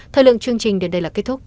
thời lượng chương trình đến đây là kết thúc